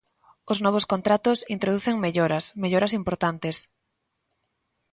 Os novos contratos introducen melloras, melloras importantes.